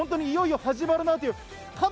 いよいよ始まるなという。